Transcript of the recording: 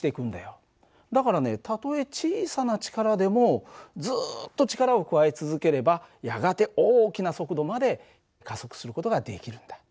だからねたとえ小さな力でもずっと力を加え続ければやがて大きな速度まで加速する事ができるんだ。